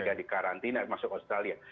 karena karantina masuk australia